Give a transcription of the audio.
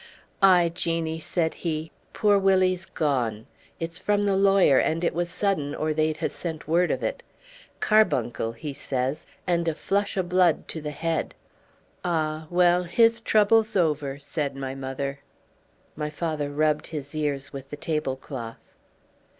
"Aye, Jeannie," said he, "poor Willie's gone. It's from the lawyer, and it was sudden or they'd ha' sent word of it. Carbuncle, he says, and a flush o' blood to the head." "Ah! well, his trouble's over," said my mother. My father rubbed his ears with the tablecloth.